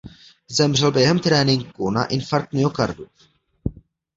Zemřel během tréninku na infarkt myokardu.